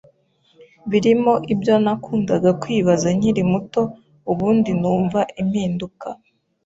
birimo ibyo nakundaga kwibaza nkiri muto ubundi numva impinduka